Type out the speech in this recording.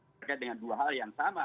terkait dengan dua hal yang sama